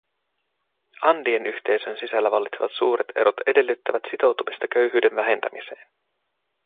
Andien yhteisön sisällä vallitsevat suuret erot edellyttävät sitoutumista köyhyyden vähentämiseen.